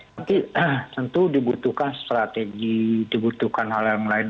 tapi tentu dibutuhkan strategi dibutuhkan hal yang lain